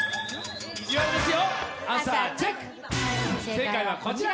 正解はこちら。